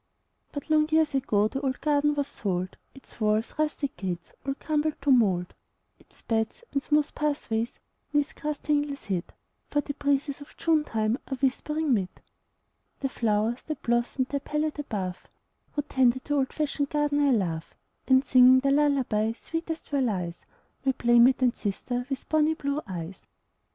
But long years ago the old garden was sold! Its walls, rustic gates, are all crumbled to mold; Its beds and smooth pathways 'neath grass tangles hid, For the breezes of June time are whispering 'mid The flowers that blossom her pallet above, Who tended that old fashioned garden I love; And singing their lullaby sweetest where lies My playmate and sister with bonnie blue eyes.